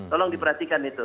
tolong diperhatikan itu